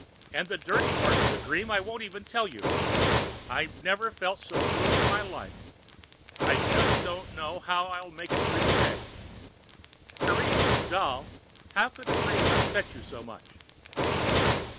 And the dirty parts of the dream I won't even tell you. I've never felt so blue in my life. I just don't know how I'll make the day through." "Teresa, doll, how could a dream upset you so much?"